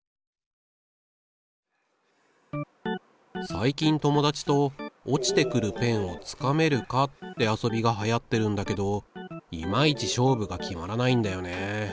最近友達と落ちてくるペンをつかめるかって遊びがはやってるんだけどいまいち勝負が決まらないんだよね。